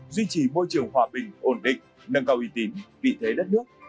duy trì môi trường hòa bình ổn định nâng cao uy tín vị thế đất nước